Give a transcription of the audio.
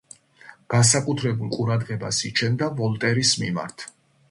განსაკუთრებულ ყურადღებას იჩენდა ვოლტერის მიმართ.